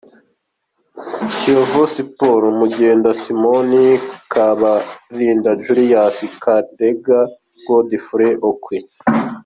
Kiyovu Sports: Nyamugenda Simon, Bakabulindi Julius, Katarega Godfrey, Okwi.